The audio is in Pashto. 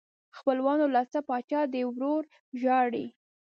خپلوانو لا څه پاچا دې ورور ژاړي.